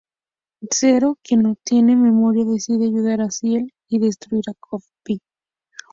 Zero, quien no tiene memoria decide ayudar a Ciel, y destruir a "Copy X".